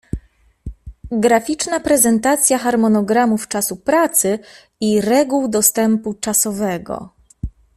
Graficzna prezentacja harmonogramów czasu pracy i reguł dostępu czasowego